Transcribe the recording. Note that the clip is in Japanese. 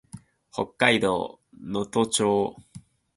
北海道豊頃町